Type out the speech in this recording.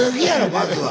まずは。